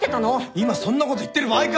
今そんなこと言ってる場合か！